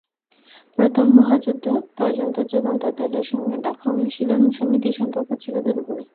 প্রথম মহাযুদ্ধ পর্যন্ত যুগান্তর দলের সঙ্গে ঢাকা অনুশীলন সমিতির সম্পর্ক ছিল দুর্বল।